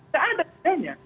tak ada bedanya